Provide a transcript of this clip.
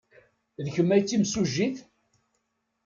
D kemm ay d timsujjit?